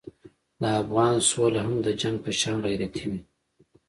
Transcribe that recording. د افغان سوله هم د جنګ په شان غیرتي وي.